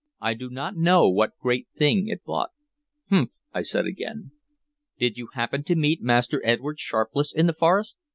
"I do not know what great thing it bought." "Humph!" I said again. "Did you happen to meet Master Edward Sharpless in the forest?"